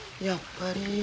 やっぱり。